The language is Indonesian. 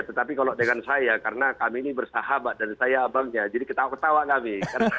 tetapi kalau dengan saya karena kami ini bersahabat dan saya abangnya jadi ketawa ketawa kami